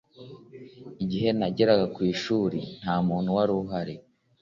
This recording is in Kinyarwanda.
igihe nageraga ku ishuri, nta muntu wari uhari